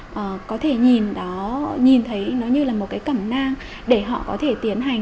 họ có thể nhìn thấy nó như là một cái cẩm nang để họ có thể tiến hành